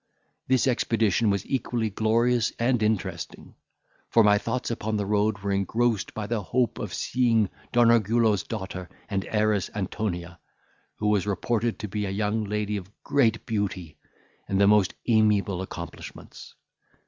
This expedition was equally glorious and interesting; for my thoughts upon the road were engrossed by the hope of seeing Don Orgullo's daughter and heiress Antonia, who was reported to be a young lady of great beauty, and the most amiable accomplishments.